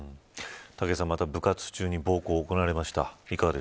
武井さん、また部活中に暴行が行われました。